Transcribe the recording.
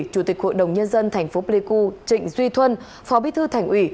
chủ tịch hội đồng nhân dân thành phố pleiku trịnh duy thuân phó bí thư thành ủy